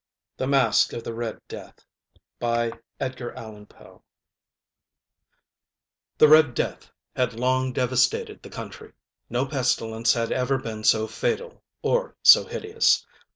THE MASQUE OF THE RED DEATH. The ŌĆ£Red DeathŌĆØ had long devastated the country. No pestilence had ever been so fatal, or so hideous.